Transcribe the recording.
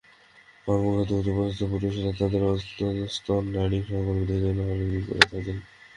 কর্মক্ষেত্রে উচ্চপদস্থ পুরুষেরা তাঁদের অধস্তন নারী সহকর্মীদের যৌন হয়রানি করে থাকেন।